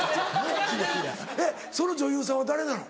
えっその女優さんは誰なの？